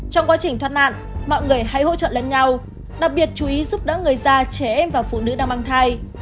trong quá trình thoát nạn mọi người hãy hỗ trợ lẫn nhau đặc biệt chú ý giúp đỡ người già trẻ em và phụ nữ đang mang thai